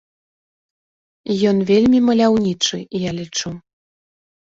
Ён вельмі маляўнічы, я лічу.